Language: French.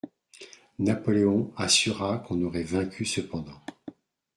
Napoléon assura qu'on aurait vaincu cependant.